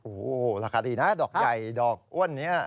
โอ้โหราคาดีนะดอกใหญ่ดอกอ้วนนี้